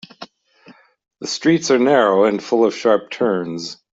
The streets are narrow and full of sharp turns.